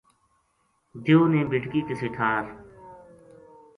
دیو نے بیٹکی کسے ٹھار